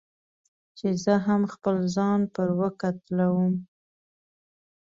چې زه هم خپل ځان پر وکتلوم.